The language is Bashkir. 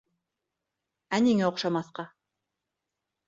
Ә ниңә оҡшамаҫҡа?